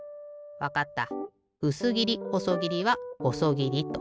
わかった。